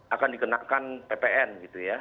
akan dikenakan ppn gitu ya